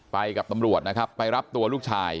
ไปกับตำรวจนะครับไปรับตัวลูกชาย